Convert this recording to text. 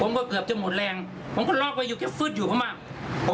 ผมก็เกือบจะหมดแรงผมก็ลอกไว้อยู่แค่ฟื้ดอยู่เพราะมะ